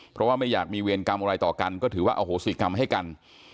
เพราะว่าไม่อยากมีเวรกรรมอะไรต่อกันก็ถือว่าอโหสิกรรมให้กัน